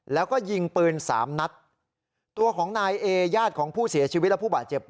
แล้วก็ยิงปืนสามนัดตัวของนายเอญาติของผู้เสียชีวิตและผู้บาดเจ็บ